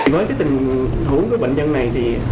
với tình huống của bệnh nhân này